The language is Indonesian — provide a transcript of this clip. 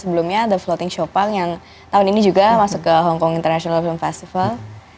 sebelumnya the floating chopang yang tahun ini juga masuk ke hong kong international film festival